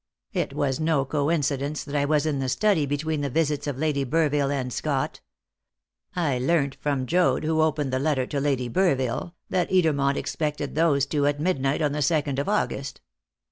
It was no coincidence that I was in the study between the visits of Lady Burville and Scott. I learnt from Joad, who opened the letter to Lady Burville, that Edermont expected those two at midnight on the second of August.